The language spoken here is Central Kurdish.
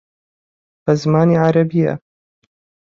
بە زمانی عەرەبییە